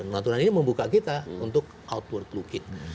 natuna ini membuka kita untuk outward looking